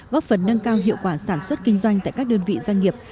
góp phần nâng cao hiệu quả sản xuất kinh doanh tại các đơn vị doanh nghiệp